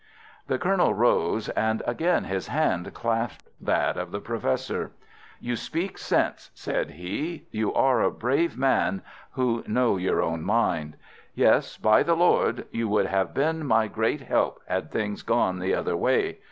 The Colonel rose, and again his hand clasped that of the Professor. "You speak sense," said he. "You are a brave, strong man, who know your own mind. Yes, by the Lord! you would have been my great help had things gone the other way.